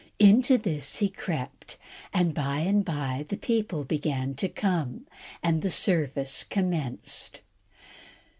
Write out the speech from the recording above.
Into this he crept, and by and by the people began to come, and the service commenced.